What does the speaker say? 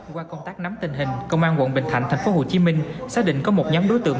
qua công tác nắm tình hình công an quận bình thạnh tp hcm xác định có một nhóm đối tượng